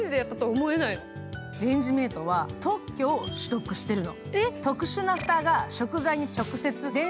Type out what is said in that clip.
レンジメートは特許を取得してるの。